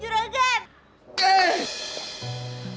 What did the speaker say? juragan jahat banget sih